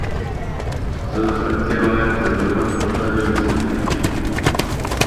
زه د پکتیا ولایت د زرمت ولسوالی اوسیدونکی یم.